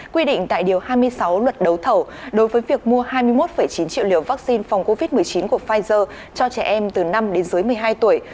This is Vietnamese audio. quy định tại điều hai mươi sáu luật đấu thầu đối với việc mua hai mươi một chín triệu liều vaccine phòng covid một mươi chín của pfizer cho trẻ em từ năm đến dưới một mươi hai tuổi